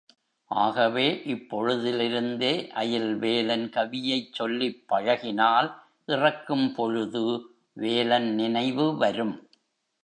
ஆகவே, இப்பொழுதிலிருந்தே அயில் வேலன் கவியைச் சொல்லிப் பழகினால் இறக்கும் பொழுது வேலன் நினைவு வரும்.